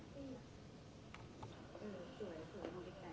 เดี๋ยวจะลองได้มันเป้าหมาย